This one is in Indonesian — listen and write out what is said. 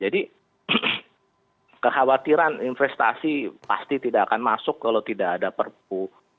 jadi kehawatiran investasi pasti tidak akan masuk kalau tidak ada perpu cipta kerja ini